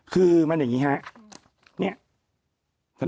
คือมันอย่างนี้ฮะ